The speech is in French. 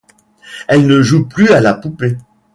Elle ne joue plus à la poupée.